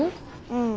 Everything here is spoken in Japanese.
うん。